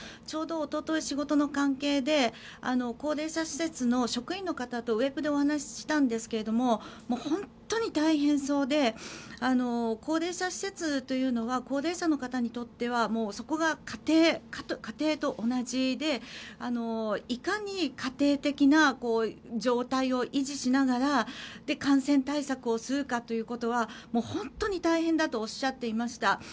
ちょうどおととい仕事の関係で高齢者施設の職員の方とウェブでお話をしたんですけど本当に大変そうで高齢者施設というのは高齢者の方にとってはそこが家庭と同じでいかに家庭的な状態を維持しながら感染対策をするかということは本当に大変だとおっしゃっていました。